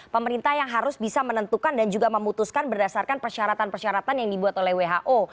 pemerintah yang harus bisa menentukan dan juga memutuskan berdasarkan persyaratan persyaratan yang dibuat oleh who